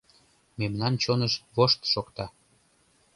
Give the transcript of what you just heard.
Мемнан чоныш вошт шокта.